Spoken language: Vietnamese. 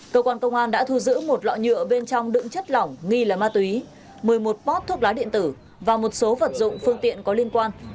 cơ quan công an đã thu giữ một lọ nhựa bên trong đựng chất lỏng nghi là ma túy một mươi một pot thuốc lá điện tử và một số vật dụng phương tiện có liên quan